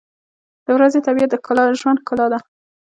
• د ورځې طبیعت د ژوند ښکلا ده.